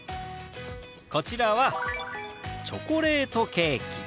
こちらは「チョコレートケーキ」。